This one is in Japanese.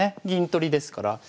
銀取りですから。